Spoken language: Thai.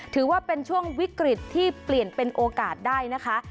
ถือว่าเป็นช่วงวิกฤตที่เปลี่ยนเป็นโอกาสได้นะคะ